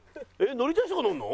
乗りたい人が乗るの？